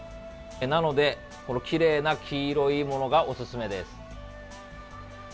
なので、きれいな黄色いものがおすすめです。